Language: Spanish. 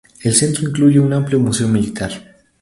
El centro incluye un amplio museo militar.